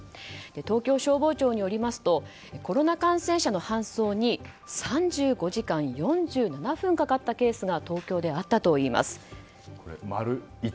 東京消防庁によりますとコロナ感染者の搬送に３５時間４７分かかったケースが東京であったといいます。